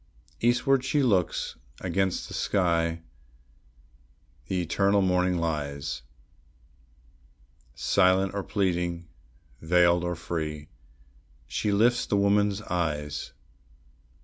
Eastward she looks; against the sky the eternal morning lies; Silent or pleading, veiled or free, she lifts the woman's eyes.